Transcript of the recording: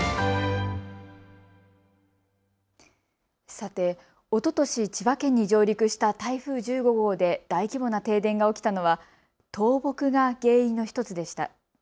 さて、おととし千葉県に上陸した台風１５号で大規模な停電が起きたのは倒木が原因の１つでした。